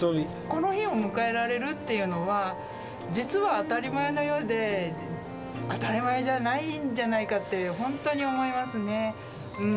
この日を迎えられるというのは、実は当たり前のようで、当たり前じゃないんじゃないかって、本当に思いますね。